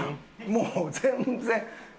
もう全然。